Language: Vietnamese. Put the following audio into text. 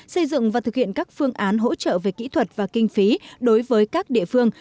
xây dựng và thực hiện các phương án hỗ trợ về kỹ thuật và kinh phí đối với các địa phương